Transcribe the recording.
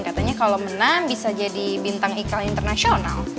katanya kalo menang bisa jadi bintang ikl internasional